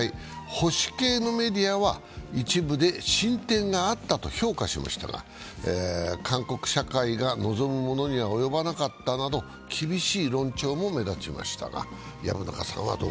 保守系のメディアは一部で進展があったと評価しましたが韓国社会が望むものには及ばなかったなど厳しい論調も目立ちました。